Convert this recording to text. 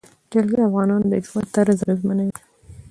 جلګه د افغانانو د ژوند طرز اغېزمنوي.